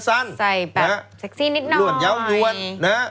ใส่แบบเซ็กซี่นิดน้อยร่วนเย้ายวน